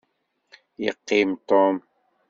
Yeqqim Tom.